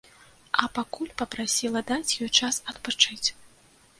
А пакуль папрасіла даць ёй час адпачыць.